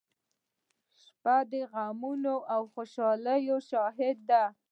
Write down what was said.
• شپه د غمونو او خوشالیو شاهد ده.